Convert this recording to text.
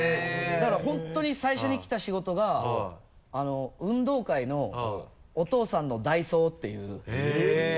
だから本当に最初に来た仕事が運動会のお父さんの代走っていうへぇ。